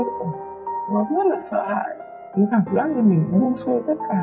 nó rất là sợ hãi cảm giác như mình buông xuôi tất cả